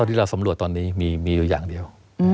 ที่เราสำรวจตอนนี้มีอยู่อย่างเดียว